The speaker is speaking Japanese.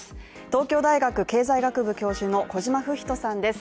東京大学経済学部教授の小島武仁さんです